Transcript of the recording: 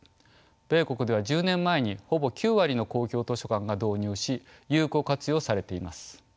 米国では１０年前にほぼ９割の公共図書館が導入し有効活用されています。